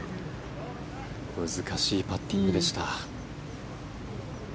難しいパッティングでした。